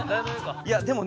いやでもね